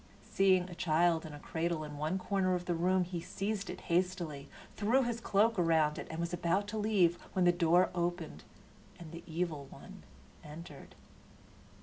Seeing a child in a cradle in one corner of the room he seized it hastily, threw his cloak around it, and was about to leave when the door opened and the Evil One entered.